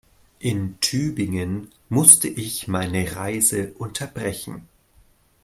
In Tübingen musste ich meine Reise unterbrechen